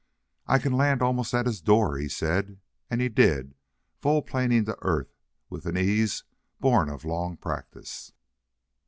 "I can land almost at his door," he said, and he did, volplaning to earth with an ease born of long practice.